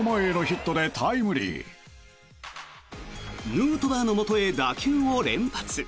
ヌートバーのもとへ打球を連発。